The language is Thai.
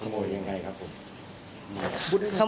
ขโมยยังไงครับผม